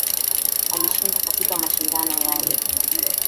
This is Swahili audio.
Alishinda katika mashindano yale